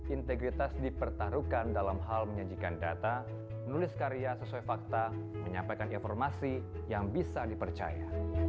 integritas dipertaruhkan dalam hal menyajikan data menulis karya sesuai fakta menyampaikan informasi yang bisa dipercaya